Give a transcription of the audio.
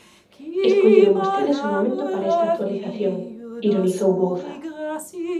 Escolleron vostedes o momento para esta actualización, ironizou Bouza.